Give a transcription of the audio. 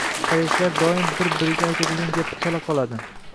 Koreyslar doim bir-biriga aytadigan gapi chala qoladi.